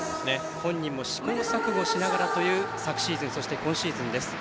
本人も試行錯誤しながらという昨シーズンそして今シーズンです。